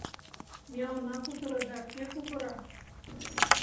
Ме она кутыро да, кӧ кугыра?